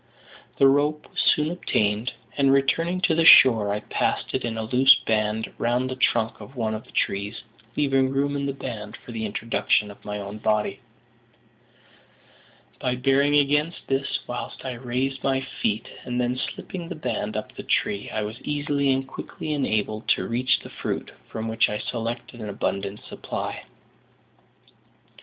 The rope was soon obtained; and, returning to the shore, I passed it in a loose band round the trunk of one of the trees, leaving room in the band for the introduction of my own body. By bearing against this whilst I raised my feet and then slipping the band up the tree, I was easily and quickly enabled to reach the fruit, from which I selected an abundant supply.